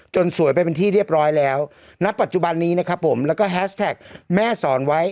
สวยไปเป็นที่เรียบร้อยแล้วณปัจจุบันนี้นะครับผมแล้วก็แฮสแท็กแม่สอนไว้